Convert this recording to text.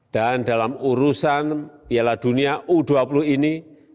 dan dalam urusan dunia u dua puluh ini